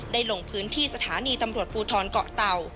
ลงพื้นที่สถานีตำรวจภูทรเกาะเต่า